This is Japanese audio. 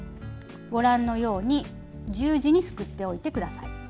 ご覧のように十字にすくっておいてください。